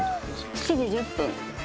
７時１０分。